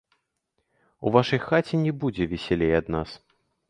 У вашай хаце не будзе весялей ад нас!